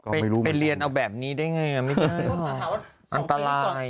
ไปเรียนเอาแบบนี้ได้ไงอะไม่ได้